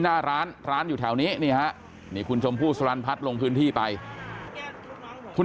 หน้าร้านร้านอยู่แถวนี้นี่คุณชมผู้สรรพัฐลงพื้นที่ไปคุณ